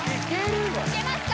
・いけますか？